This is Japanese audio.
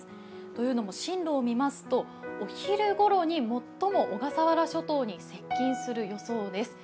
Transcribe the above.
というのも、進路を見ますとお昼ごろに最も小笠原諸島に接近する予想です。